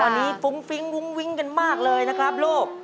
ตอนนี้ฟุ้งฟิ้งวุ้งวิ้งกันมากเลยนะครับลูก